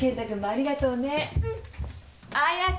ありがとう！